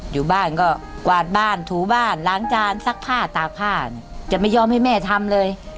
อยู่บ้านก็กวาดบ้านถูบ้านล้างจานซักผ้าตากผ้าจะไม่ยอมให้แม่ทำเลย